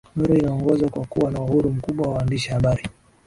Norway inaongoza kwa kuwa na uhuru mkubwa wa wandishi habari